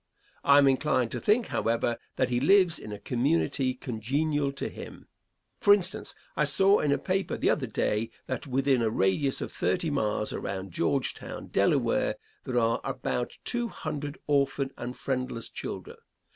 I am inclined to think, however, that he lives in a community congenial to him. For instance, I saw in a paper the other day that within a radius of thirty miles around Georgetown, Delaware, there are about two hundred orphan and friendless children.